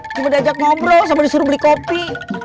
cuma diajak ngobrol sama disuruh beli kopi